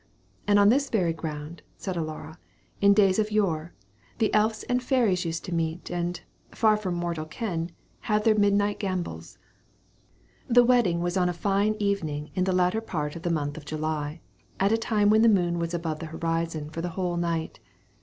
And on this very ground," said O'Lara, "in days of yore, the elfs and fairies used to meet, and, far from mortal ken, have their midnight gambols." The wedding was on a fine evening in the latter part of the month of July, at a time when the moon was above the horizon for the whole night.